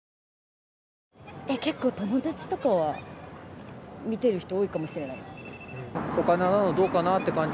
結構、友達とかは見てる人多いかもしれない。